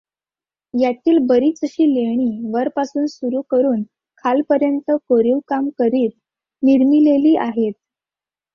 यातील बरीचशी लेणी वरपासून सुरू करून खालपर्यंत कोरीवकाम करीत निर्मिलेली आहेत.